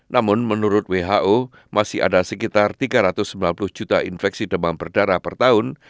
namun menurut who masih ada sekitar tiga ratus sembilan puluh juta infeksi demam berdarah per tahun